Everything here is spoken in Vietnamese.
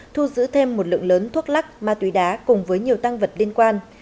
thu giữ thêm một lượng lớn thuốc lắc ma túy đá cùng với nhiều tăng vật liên quan